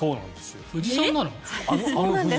藤さんなの？